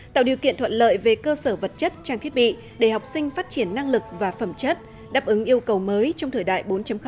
tạo điều kiện thuận lợi về cơ sở vật chất trang thiết bị để học sinh phát triển năng lực và phẩm chất đáp ứng yêu cầu mới trong thời đại bốn